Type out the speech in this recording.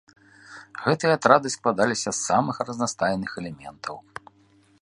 Гэтыя атрады складаліся з самых разнастайных элементаў.